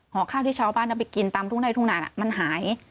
ห่อข้าวที่ชาวบ้านเขาไปกินตามทุกหน้าทุกหน่ามันหาย